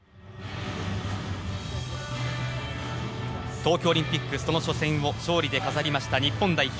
東京オリンピックその初戦を勝利で飾りました日本代表